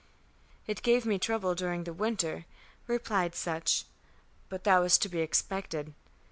"It gave me trouble during the winter," replied Sutch. "But that was to be expected."